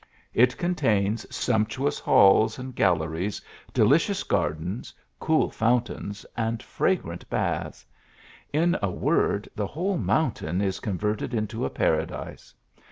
It contains sumptuous halls and galleries, delicious gardens, cool founta : ns and fra grant baths; in a word, the whole mountain is con verted into a paradise.